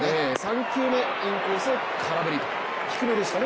３球目、インコースを空振り、低めでしたね。